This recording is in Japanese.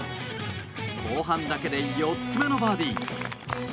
後半だけで４つ目のバーディー。